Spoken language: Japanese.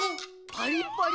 パリッパリ。